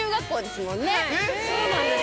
はいそうなんです。